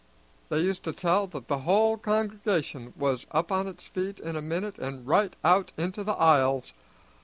They used to tell that the whole congregation was up on its feet in a minute and right out into the aisles.